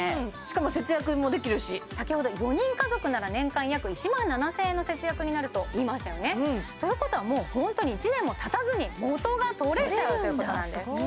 しかも節約もできるし先ほど４人家族なら年間約１万７０００円の節約になると言いましたよねということはもうホントに１年もたたずに元が取れちゃうということなんです